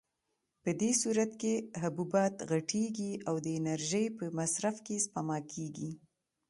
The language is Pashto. په دې صورت کې حبوبات غټېږي او د انرژۍ په مصرف کې سپما کېږي.